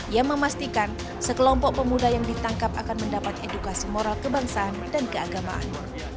ia memastikan sekelompok pemuda yang ditangkap akan mendapat edukasi moral kebangsaan dan keagamaan